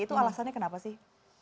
itu alasannya kenapa sih